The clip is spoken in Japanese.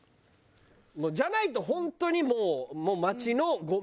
じゃないと本当にもう。